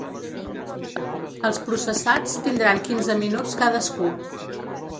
Els processats tindran quinze minuts cadascú.